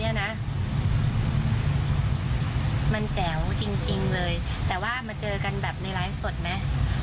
นี่นะมันแจ๋วจริงจริงเลยแต่ว่ามาเจอกันแบบในไลฟ์สดมั้ย